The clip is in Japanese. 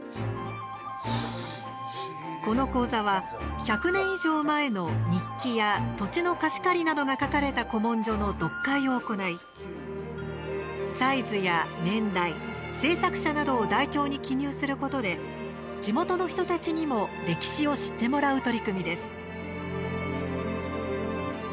この講座は１００年以上前の日記や土地の貸し借りなどが書かれた古文書の読解を行いサイズや年代、制作者などを台帳に記入することで地元の人たちにも歴史を知ってもらう取り組みです。